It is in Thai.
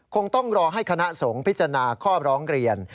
คงต้องรอให้คณะสงฆ์พิจารณาข้อร้องเรียน